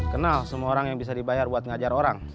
kenal semua orang yang bisa dibayar buat ngajar orang